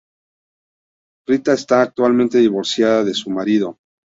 Rita está actualmente divorciada de su marido.